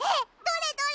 どれ？